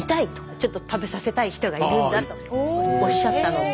ちょっと食べさせたい人がいるんだとおっしゃったので。